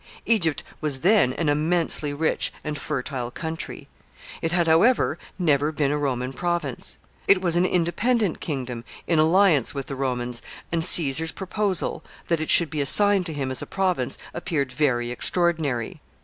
Egypt was then an immensely rich and fertile country. It had, however, never been a Roman province. It was an independent kingdom, in alliance with the Romans, and Caesar's proposal that it should be assigned to him as a province appeared very extraordinary.